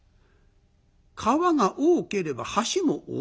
川が多ければ橋も多い。